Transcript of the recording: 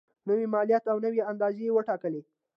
نوي مالیات او نوي اندازې یې وټاکلې.